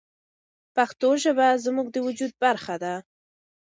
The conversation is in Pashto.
پښتو ژبه زموږ د وجود برخه ده.